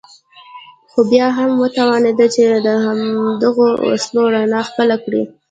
خو بيا هم وتوانېد چې د همدغو اصولو رڼا خپله کړي.